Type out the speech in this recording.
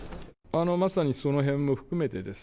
まさにそのへんも含めてです